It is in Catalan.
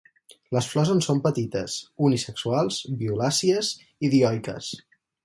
Les flors en són petites, unisexuals, violàcies i dioiques.